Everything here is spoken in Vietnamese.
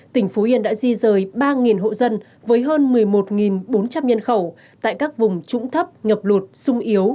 tỉnh phú yên đã di rời ba hộ dân với hơn một mươi một bốn trăm linh nhân khẩu tại các vùng trũng thấp ngập lụt sung yếu